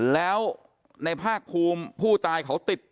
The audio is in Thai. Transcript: แล้วในภาคภูมิผู้ตายเขาติด